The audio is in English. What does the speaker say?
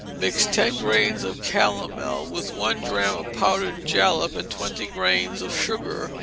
Mix ten grains of calomel, with one drachm of powdered jalap, and twenty grains of sugar.